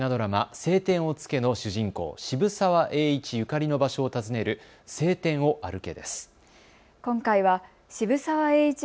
青天を衝けの主人公、渋沢栄一ゆかりの場所を訪ねる青天を歩け！